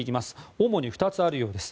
主に２つあるようです。